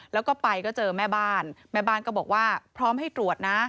แล้วก็ไปก็เจอแม่บ้านแม่บ้านก็บอกว่าพร้อมให้ตรวจนะ